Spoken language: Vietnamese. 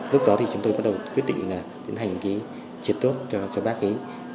lúc đó thì chúng tôi bắt đầu quyết định là tiến hành cái triệt tốt cho bác ấy